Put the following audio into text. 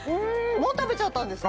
もう食べちゃったんですか？